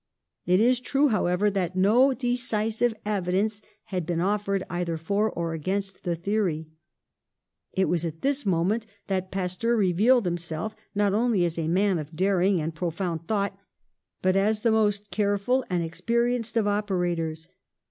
It is true, however, that no decisive evidence had been offered either for or against the theory. It was at this moment that Pasteur revealed himself, not only as a man of daring and profound thought, but as the most careful and experi enced of operators.